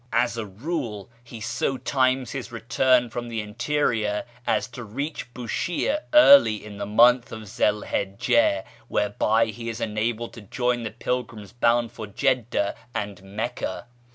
As a rule, he so times his return from the interior as to reach Bushire early in tlie month of Zil Hijj^, whereby he is enabled to join the ]nlgrims bound for Jedda and Mecca.